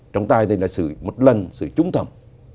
trong tai thì là một lần sự trúng thầm